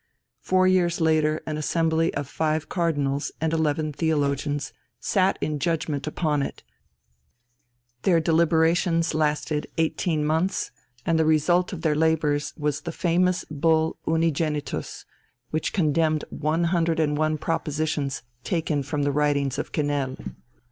Four years later an assembly of five cardinals and eleven theologians sat in judgment upon it; their deliberations lasted eighteen months, and the result of their labours was the famous Bull Unigenitus, which condemned one hundred and one propositions taken from the writings of Quesnel.